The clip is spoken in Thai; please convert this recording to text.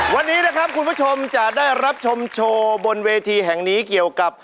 วันนี้นะครับคุณผู้ชมจะได้รับชมโชว์บนเวทีแห่งนี้เกี่ยวกับ